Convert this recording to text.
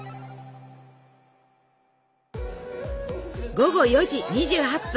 午後４時２８分！